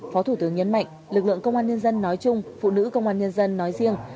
phó thủ tướng nhấn mạnh lực lượng công an nhân dân nói chung phụ nữ công an nhân dân nói riêng